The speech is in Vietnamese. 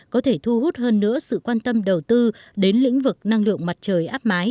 có thể thu hút hơn nữa sự quan tâm đầu tư đến lĩnh vực năng lượng mặt trời áp mái